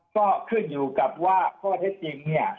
ก็ขึ้นอยู่กับว่าข้อเท็จจริงเนี่ย